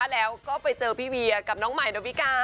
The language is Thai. แล้วก็ไปเจอพี่เวียกับน้องใหม่ดาวิกา